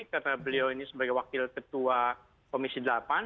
karena beliau ini sebagai wakil ketua komisi delapan